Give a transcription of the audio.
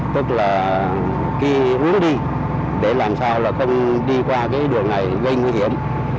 tức là cái hướng đi để làm sao là không đi qua cái đường này gây nguy hiểm